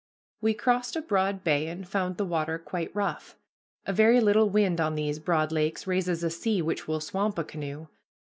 We crossed a broad bay and found the water quite rough. A very little wind on these broad lakes raises a sea which will swamp a canoe.